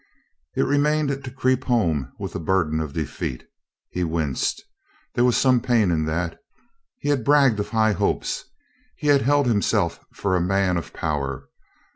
It remained to creep home with the burden of de feat. He winced. ... There was some pain in that. He had bragged of high hopes; he had held himself for a man of power.